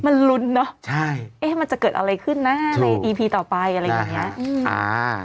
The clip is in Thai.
มันลุ้นเนอะใช่เอ๊ะมันจะเกิดอะไรขึ้นนะในอีพีต่อไปอะไรอย่างเงี้ยอืมอ่า